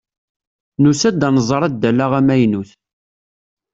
Nusa-d ad nẓer addal-a amaynut.